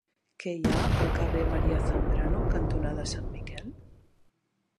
Què hi ha al carrer María Zambrano cantonada Sant Miquel?